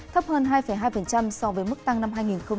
thấp hơn hai hai so với mức tăng năm hai nghìn một mươi tám